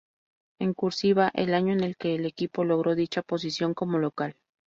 En "cursiva" el año en el que el equipo logró dicha posición como local.